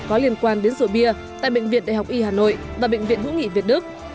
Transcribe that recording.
có liên quan đến rượu bia tại bệnh viện đại học y hà nội và bệnh viện hữu nghị việt đức